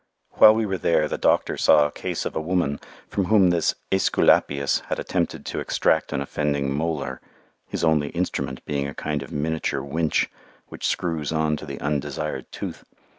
While we were there the doctor saw a case of a woman from whom this Æsculapius had attempted to extract an offending molar, his only instrument being a kind of miniature winch which screws on to the undesired tooth.